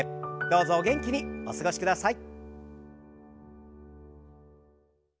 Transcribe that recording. どうぞお元気にお過ごしください。